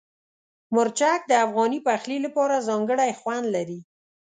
مرچک د افغاني پخلي لپاره ځانګړی خوند لري.